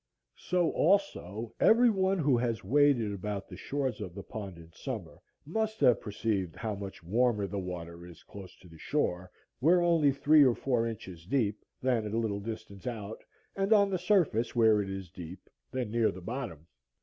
So, also, every one who has waded about the shores of the pond in summer must have perceived how much warmer the water is close to the shore, where only three or four inches deep, than a little distance out, and on the surface where it is deep, than near the bottom.